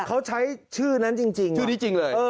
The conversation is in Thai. เขาใช้ชื่อนั้นจริง